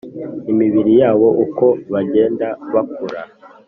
imibiri yabo uko bagenda bakura